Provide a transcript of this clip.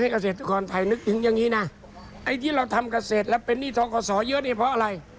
เกษตรกรไทยนึกถึงอย่างนี้นะไอ้ที่เราทำเกษตรแล้วเป็นหนี้ท้องก่อสอเยอะเนี่ยเพราะอะไร